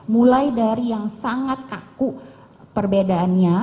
mulai dari yang sangat kaku perbedaannya